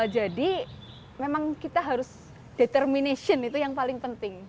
jadi memang kita harus determination itu yang paling penting